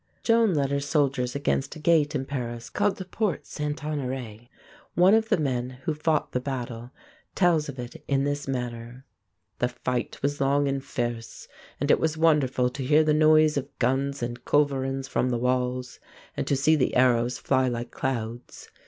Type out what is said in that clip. Joan led her soldiers against a gate in Paris called the Porte St. Honoré (On er ray). One of the men who fought in the battle tells of it in this manner: "The fight was long and fierce, and it was wonderful to hear the noise of guns and culverins from the walls, and to see the arrows fly like clouds.